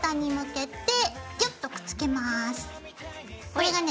これがね